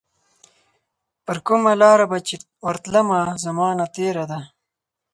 پرکومه لار به چي ورتلمه، زمانه تیره ده